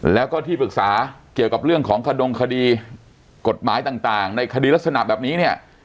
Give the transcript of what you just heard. แล้วก็ที่ปรึกษาเกี่ยวกับเรื่องของขดงคดีกฎหมายต่างในคดีลักษณะแบบนี้เนี่ย